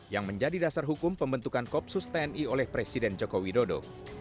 yang menjadi dasar hukum pembentukan koopsus tni oleh presiden joko widodo